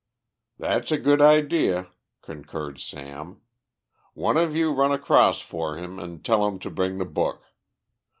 "That's a good idea," concurred Sam. "One of you run across for him, and tell him to bring the book.